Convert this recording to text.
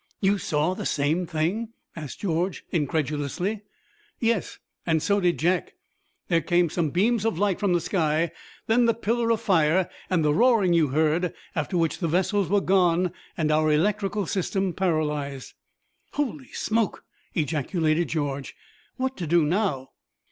"You saw the same thing?" asked George incredulously. "Yes, and so did Jack. There came some beams of light from the sky; then the pillar of fire and the roaring you heard, after which the vessels were gone and our electrical system paralyzed." "Holy smoke!" ejaculated George. "What to do now?"